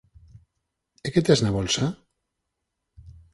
E que tes na bolsa?